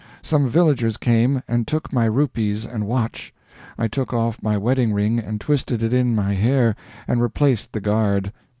Some villagers came, and took my rupees and watch. I took off my wedding ring, and twisted it in my hair, and replaced the guard.